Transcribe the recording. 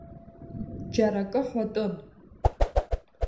Џьара акы ҳәатәын.